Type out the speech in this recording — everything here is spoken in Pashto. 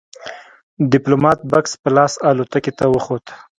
ديپلومات بکس په لاس الوتکې ته وخوت.